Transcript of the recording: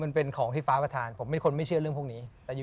นี่เป็นน้องพี่ตูนอีกชีพี่ต้อง